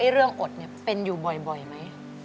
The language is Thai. เรื่องอดเป็นอยู่บ่อยไหม